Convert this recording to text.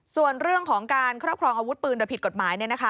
ส่วนเรื่องของการครอบครองอาวุธปืนแต่ผิดกฎหมายเนี่ยนะคะ